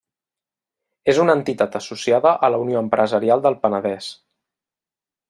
És una entitat associada a la Unió Empresarial del Penedès.